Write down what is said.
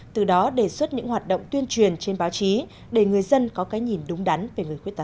từ đó đề xuất những hoạt động tuyên truyền trên báo chí để người dân có cái nhìn đúng đắn về người khuyết tật